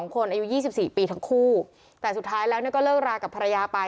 คนอายุ๒๔ปีทั้งคู่แต่สุดท้ายแล้วก็เลิกรากับภรรยาไป